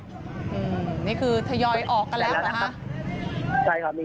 อือนี่คือถยอยออกละเนี่ย